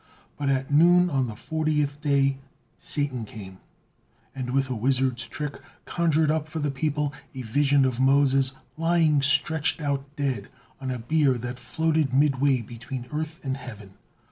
But at noon on the fortieth day Satan came, and with a wizard's trick conjured up for the people a vision of Moses lying stretched out dead on a bier that floated midway between earth and heaven.